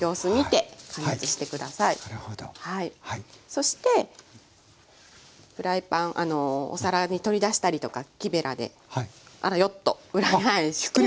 そしてお皿に取り出したりとか木べらであらよっと裏返して。